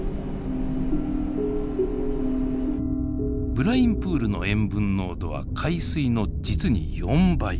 ブラインプールの塩分濃度は海水の実に４倍。